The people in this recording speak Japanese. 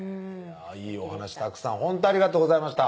いいお話たくさんほんとありがとうございました